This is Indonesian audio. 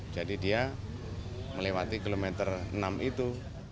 jadi dia melewati kilometer enam itu